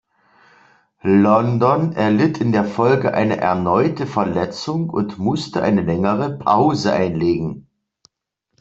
London erlitt in der Folge eine erneute Verletzung und musste eine längere Pause einlegen.